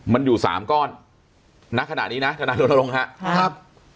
มันอยู่สามก้อนณขนาดนี้นะขนาดลงฮะครับ